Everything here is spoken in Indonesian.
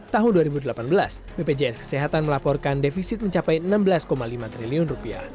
tahun dua ribu delapan belas bpjs kesehatan melaporkan defisit mencapai rp enam belas lima triliun